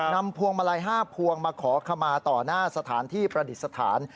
พวงมาลัย๕พวงมาขอขมาต่อหน้าสถานที่ประดิษฐาน